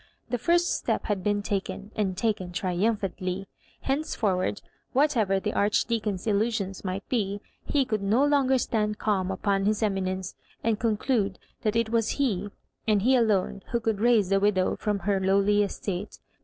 The first step had been taken, and taken triumphantly. Hence forward, whatever the Archdeacon's illusions might be, he could no longer stand calm upon his eminence, and conclude that it was he, and he alone, who could raise the widow* from her lowly estate.